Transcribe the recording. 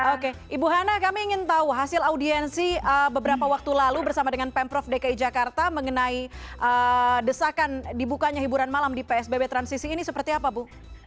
oke ibu hana kami ingin tahu hasil audiensi beberapa waktu lalu bersama dengan pemprov dki jakarta mengenai desakan dibukanya hiburan malam di psbb transisi ini seperti apa bu